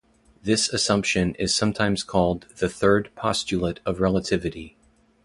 This assumption is sometimes called the third postulate of relativity.